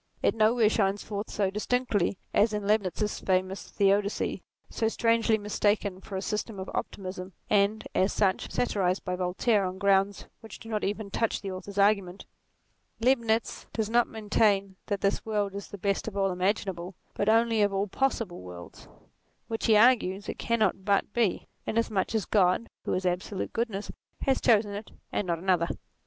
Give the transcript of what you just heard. It nowhere shines forth so distinctly as in Leibnitz's famous Theodicee, so strangely mistaken for a system of optimism, and, as such, satirized by Voltaire on grounds which do not even touch the author's argument. Leibnitz does not maintain that this world is the best of all imaginable, but only of all possible worlds ; which, he argues, it cannot but be, inasmuch as God, who is absolute goodness, has chosen it and not another.